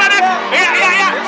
jatuh jatuh jatuh jatuh